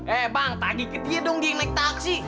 eh bang tagih ketiga dong dia yang naik taksi